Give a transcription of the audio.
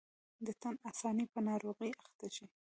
د تن آساني په ناروغۍ اخته شي.